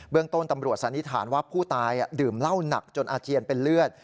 เรื่องต้นตำรวจสันนิษฐานว่าผู้ตายดื่มเหล้าหนักจนอาเจียนเป็นเลือด